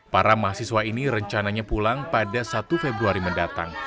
para mahasiswa ini rencananya pulang pada satu februari mendatang